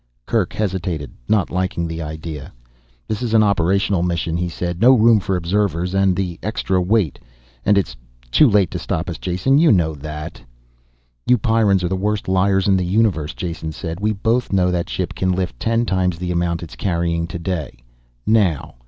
Kerk hesitated, not liking the idea. "This is an operational mission," he said. "No room for observers, and the extra weight And it's too late to stop us Jason, you know that." "You Pyrrans are the worst liars in the universe," Jason said. "We both know that ship can lift ten times the amount it's carrying today. Now